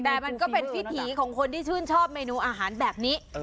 แต่มันก็เป็นวิถีของคนที่ชื่นชอบเมนูอาหารแบบนี้